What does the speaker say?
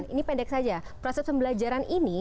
ini pendek saja proses pembelajaran ini